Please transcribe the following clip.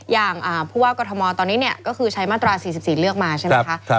อย่างผู้ว่ากรทมตอนนี้ก็คือใช้มาตรา๔๔เลือกมาใช่ไหมคะ